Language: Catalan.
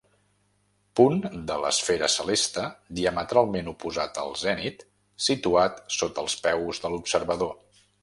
Punt de l'esfera celeste diametralment oposat al zenit, situat sota els peus de l'observador.